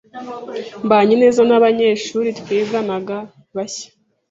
Mbanye neza nabanyeshuri twiganaga bashya.